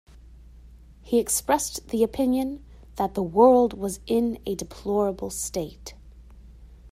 He expressed the opinion that the world was in a deplorable state.